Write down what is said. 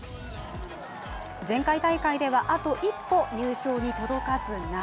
前回大会ではあと一歩、入賞に届かず涙。